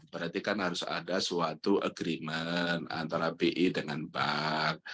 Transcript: berarti kan harus ada suatu agreement antara bi dengan bank